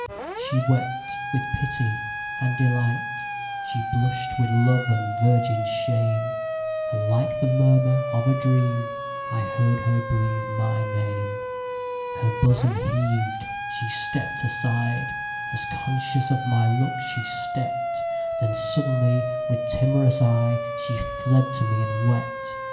She wept with pity and delight, She blush'd with love and virgin shame; And like the murmur of a dream,I heard her breathe my name. Her bosom heaved—she stepp'd aside, As conscious of my look she stept—Then suddenly, with timorous eyeShe fled to me and wept.